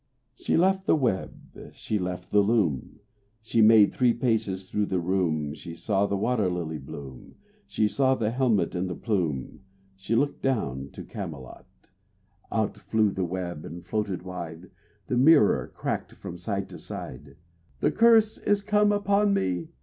. She left the web, she left the loom. She made three paces through the room, She saw the water lily bloom, She saw the helmet and the plume, She looked down to Camelot. RAINBOW GOLD Out flew the web and floated wide; The mirror cracked from side to side; "The curse is come upon me!"